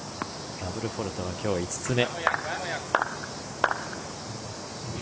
ダブルフォールトはきょう５つ目。